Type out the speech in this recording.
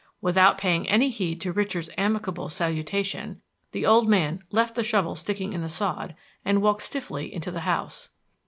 Without paying any heed to Richard's amicable salutation, the old man left the shovel sticking in the sod, and walked stiffly into the house.